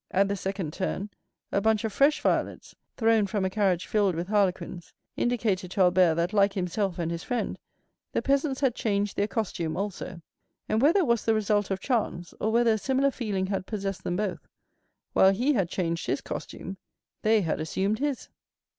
At the second turn, a bunch of fresh violets, thrown from a carriage filled with harlequins, indicated to Albert that, like himself and his friend, the peasants had changed their costume also; and whether it was the result of chance, or whether a similar feeling had possessed them both, while he had donned their costume, they had assumed his.